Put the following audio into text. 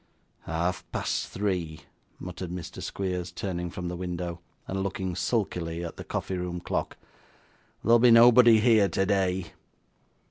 'Half past three,' muttered Mr. Squeers, turning from the window, and looking sulkily at the coffee room clock. 'There will be nobody here today.